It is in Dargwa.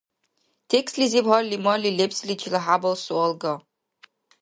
Текслизиб гьарли-марли лебсиличила хӀябал суал га